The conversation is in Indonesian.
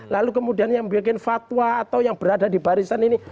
lalu kemudian yang bikin fatwa atau yang berada di barisan ini